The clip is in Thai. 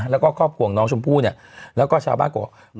แล้วก็ครอบครัวของน้องชมพูแล้วก็ชาวบ้านกรก